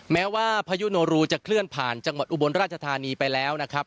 แม้ว่าพายุโนรูจะเคลื่อนผ่านจังหวัดอุบลราชธานีไปแล้วนะครับ